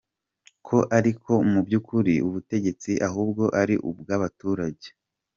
Ko ariko mu by’ukuri ubutegetsi ahubwo ari ubw’abaturage.